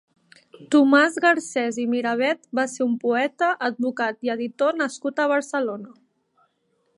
Tomàs Garcés i Miravet va ser un poeta, advocat i editor nascut a Barcelona.